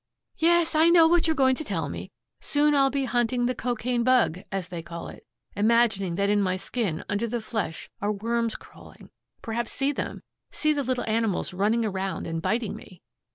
"Yes, I know what you are going to tell me. Soon I'll be 'hunting the cocaine bug,' as they call it, imagining that in my skin, under the flesh, are worms crawling, perhaps see them, see the little animals running around and biting me."